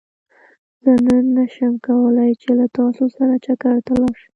زه نن نه شم کولاي چې له تاسو سره چکرته لاړ شم